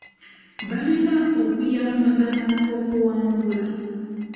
Balina okuyambagana okuwangula.